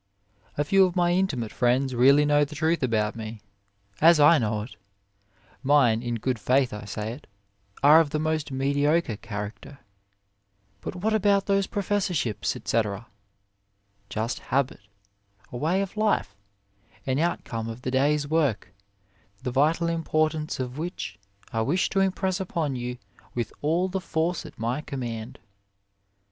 A few of my intimate friends 14 OF LIFE really know the truth about me, as I know it! Mine, in good faith I say it, are of the most mediocre character. But what about those professor ships, etc.? Just habit, a way of life, an outcome of the day s work, the vital importance of which I wish to impress upon you with all the force at my command.